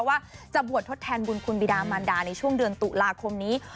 ว่าจะบวชทดแทนบุญคุณบิดามันดาในช่วงเดือนตุลาคมนี้